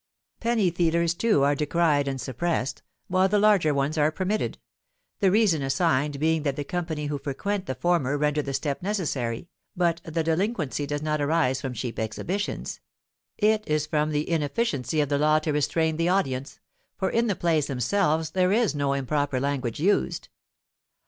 "Penny theatres, too, are decried and suppressed, while the larger ones are permitted—the reason assigned being that the company who frequent the former render the step necessary, but the delinquency does not arise from cheap exhibitions—it is from the inefficiency of the law to restrain the audience; for in the plays themselves there is no improper language used.